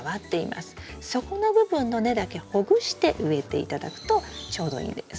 底の部分の根だけほぐして植えて頂くとちょうどいいんです。